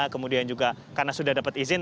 kemudian juga karena sudah dapat izin